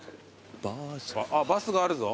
バスがあるぞ。